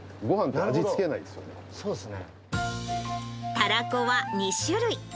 たらこは２種類。